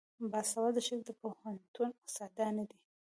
باسواده ښځې د پوهنتون استادانې دي.